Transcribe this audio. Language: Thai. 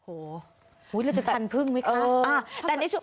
โอ้โฮแล้วจะทันพึ่งไหมคะ